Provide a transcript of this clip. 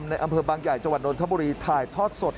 อำเภอบางใหญ่จังหวัดนทบุรีถ่ายทอดสด